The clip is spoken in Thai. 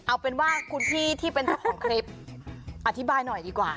เอาเป็นว่าคุณพี่ที่เป็นเจ้าของคลิปอธิบายหน่อยดีกว่า